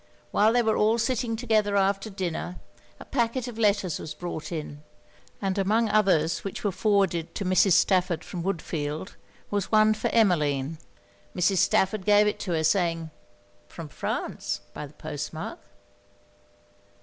While they were all sitting together after dinner, a packet of letters was brought in, and among others which were forwarded to Mrs. Stafford from Woodfield, was one for Emmeline. Mrs. Stafford gave it to her, saying 'From France, by the post mark?'